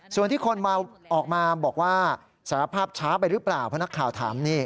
ส่วนที่คนออกมาบอกว่าสารภาพช้าไปหรือเปล่าเพราะนักข่าวถามนี่